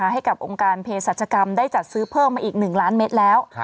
ให้กับองค์การเพศรัชกรรมได้จัดซื้อเพิ่มมาอีก๑ล้านเมตรแล้ว